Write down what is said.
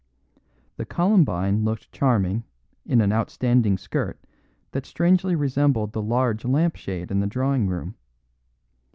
The columbine looked charming in an outstanding skirt that strangely resembled the large lamp shade in the drawing room.